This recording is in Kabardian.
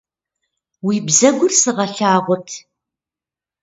Уи бзэгур сыгъэлъагъут.